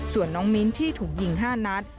ส่วนน้องมิ้นที่ถูกยิง๕นัด